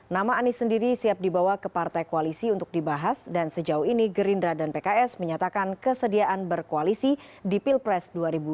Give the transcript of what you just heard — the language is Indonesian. nama anies sendiri siap dibawa ke partai koalisi untuk dibahas dan sejauh ini gerindra dan pks menyatakan kesediaan berkoalisi di pilpres dua ribu dua puluh